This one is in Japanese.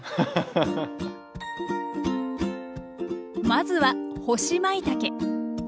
まずは干しまいたけ。